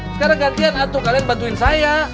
sekarang gantian atuh kalian bantuin saya